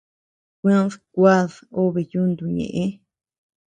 Kuéd kuad obe yúntu ñëʼe.